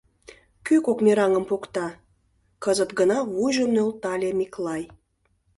— Кӧ кок мераҥым покта? — кызыт гына вуйжым нӧлтале Миклай.